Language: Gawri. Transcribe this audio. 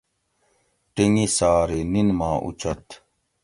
ٹنگی سار ھی نِن ما اوچت